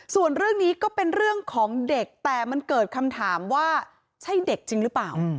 ส่วนเรื่องนี้ก็เป็นเรื่องของเด็กแต่มันเกิดคำถามว่าใช่เด็กจริงหรือเปล่า